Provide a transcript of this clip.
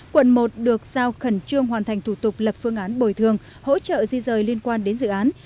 quận một được giao khẩn trương hoàn thành thủ tục lập phương án bồi thường hỗ trợ di rời liên quan đến dự án